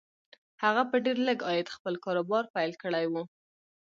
هغه په ډېر لږ عاید خپل کاروبار پیل کړی و